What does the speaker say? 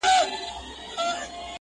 زه سلطان یم د هوا تر آسمانونو،